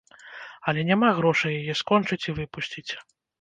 Але няма грошай яе скончыць і выпусціць.